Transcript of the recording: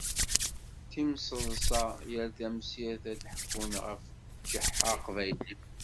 Timseḍṣa, yal tamsirt ad d-ḥekkun ɣef Ǧeḥḥa aqbayli.